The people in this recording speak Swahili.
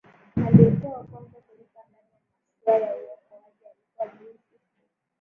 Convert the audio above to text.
aliyekuwa wa kwanza kuruka ndani ya mashua ya uokoaji alikuwa bruce ismay